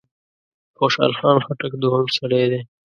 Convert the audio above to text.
خوشحال خان خټک دوهم سړی دی.